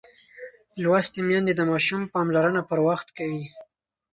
لوستې میندې د ماشوم پاملرنه پر وخت کوي.